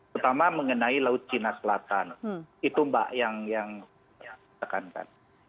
terutama mengenai laut cina selatan itu yang saya tekankan